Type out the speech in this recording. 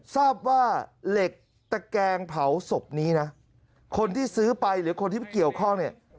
ทราบว่าเหล็กตะแกงเผาศพนี้นะคนที่ซื้อไปหรือคนที่เกี่ยวข้องเนี่ย